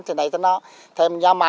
thì đấy thế đó